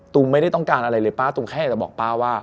ตุ้มไม่ได้ต้องการอะไรเลยตุ้มแค่จะบอกป้าว่า